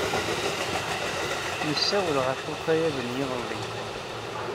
Nessawel ɣef ukayad n yiḍelli.